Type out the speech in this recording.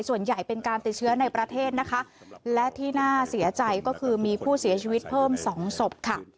ส่วนใหญ่เป็นการติดเชื้อในประเทศนะคะและที่น่าเสียใจก็คือมีผู้เสียชีวิตเพิ่มสองศพค่ะ